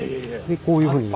でこういうふうに。